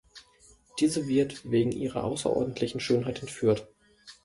Diese wird wegen ihrer außerordentlichen Schönheit entführt.